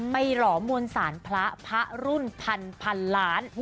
หลอมมวลสารพระพระรุ่นพันล้าน